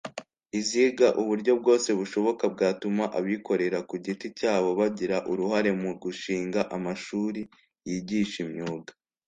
iziga uburyo bwose bushoboka bwatuma abikorera ku giti cyabo bagira uruhare mu gushingaa mashuri yigisha imyuga.